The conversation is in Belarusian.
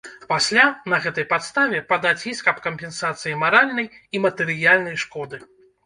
Пасля на гэтай падставе падаць іск аб кампенсацыі маральнай і матэрыяльнай шкоды.